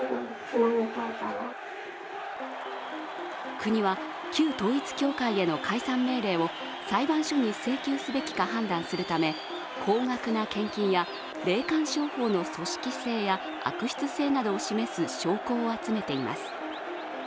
国は旧統一教会への解散命令を裁判所に請求すべきか判断するため高額な献金や霊感商法の組織性や悪質性などを示す証拠を集めています。